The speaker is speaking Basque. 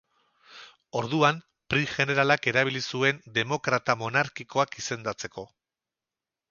Orduan Prim jeneralak erabili zuen demokrata-monarkikoak izendatzeko.